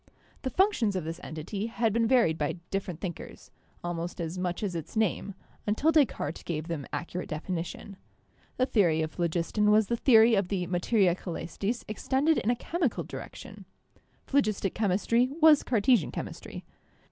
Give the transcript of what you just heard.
The functions of this entity had been varied by different thinkers, almost as much as 104 CHEMISTRY its name, until Descartes gave them accurate definition. The theory of phlogiston was the theory of the 'Materia Cselestis' extended in a chemical direction. Phlogistic chemistry was Cartesian chemistry.